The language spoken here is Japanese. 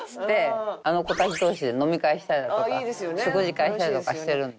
あの子たち同士で飲み会したりだとか食事会したりとかしてるんで。